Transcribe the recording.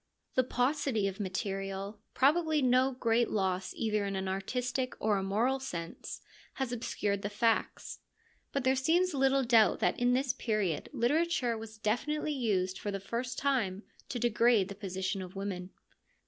The paucity of material, probably no great loss either in an artistic or a moral sense, has obscured the facts, but there seems little doubt that in this period literature was definitely used for the first time to degrade the position of women.